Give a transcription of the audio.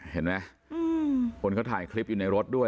เห็นไหมคนเขาถ่ายคลิปอยู่ในรถด้วย